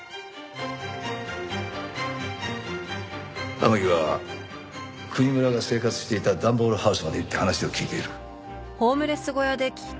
天樹は国村が生活していた段ボールハウスまで行って話を聞いている。